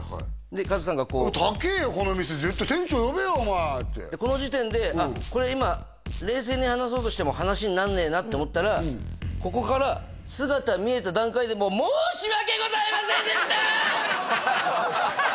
で加藤さんがこう「高えよこの店絶対店長呼べよお前」ってでこの時点であっこれ今冷静に話そうとしても話になんねえなって思ったらここから姿見えた段階でもうハハハハハ